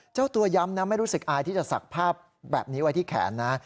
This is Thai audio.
เจ้าตัวย้ำนะไม่รู้สึกอายที่จะสักภาพแบบนี้ไว้ที่แขนนะ